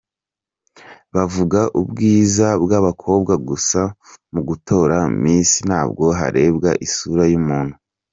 bavuga ubwiza bwabakobwa gusa, mu gutora Miss ntabwo harebwa isura yumuntu,.